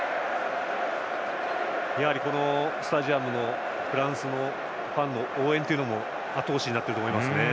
やはり、このスタジアムのフランスのファンの応援というのもあと押しになっていると思います。